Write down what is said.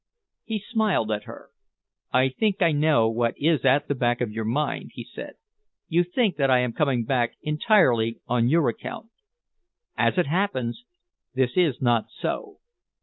He smiled at her. "I think I know what is at the back of your mind," he said. "You think that I am coming back entirely on your account. As it happens, this is not so."